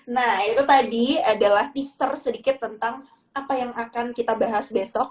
nah itu tadi adalah teaser sedikit tentang apa yang akan kita bahas besok